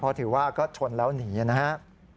เพราะถือว่าก็ชนแล้วหนีนะครับ